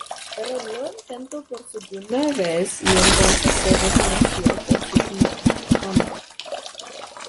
Pero lo intentó por segunda vez y entonces se reconoció por su fama.